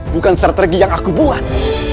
bukan strategi yang aku buat